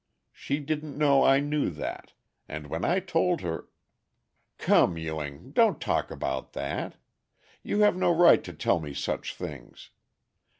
She didn't know I knew that, and when I told her " "Come, Ewing, don't talk about that. You have no right to tell me such things.